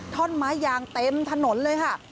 ท่อนไม้ยางเต็มถนนเลยค่ะ